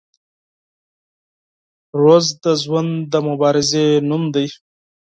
• ورځ د ژوند د مبارزې نوم دی.